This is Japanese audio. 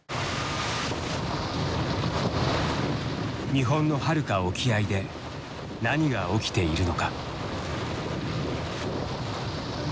日本のはるか沖合で何が起きているのか。